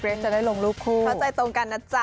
จะได้ลงรูปคู่เข้าใจตรงกันนะจ๊ะ